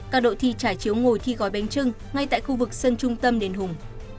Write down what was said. các đội thi trải chiếu ngồi thi gói bánh trưng ngay tại khu vực sân trung tâm đền hùng